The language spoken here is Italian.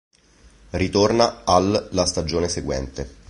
Ritorna al la stagione seguente.